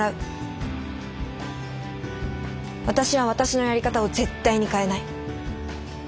私は私のやり方を絶対に変えない。